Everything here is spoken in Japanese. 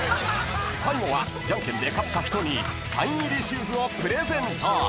［最後はじゃんけんで勝った人にサイン入りシューズをプレゼント］